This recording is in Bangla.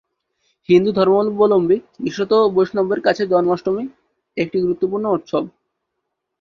হিন্দু ধর্মাবলম্বী বিশেষত বৈষ্ণবদের কাছে জন্মাষ্টমী একটি গুরুত্বপূর্ণ উৎসব।